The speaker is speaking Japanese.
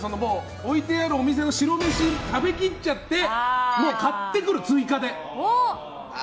置いてあるお店の白飯を食べきっちゃって買ってくる、追加で。